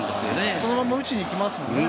そのまんま打ちにいきますもんね。